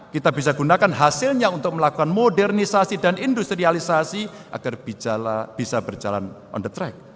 kita bisa gunakan hasilnya untuk melakukan modernisasi dan industrialisasi agar bisa berjalan on the track